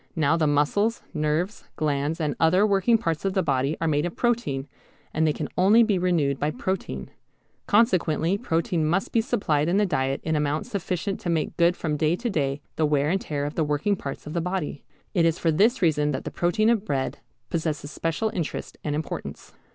Now the muscles, nerves, glands and other working parts of the body are made of protein, and they can only be renewed with protein. Consequently protein must be supplied in the diet in amount sufficient to make good from day to day the wear and tear of the working parts of the body. It is for this reason that the protein of bread possesses special interest and importance.